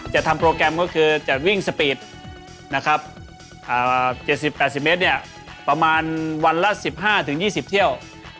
จะทำโปรแกรมก็คือจะวิ่งสปีด๗๐๘๐เมตรประมาณวันละ๑๕๒๐เที่ยว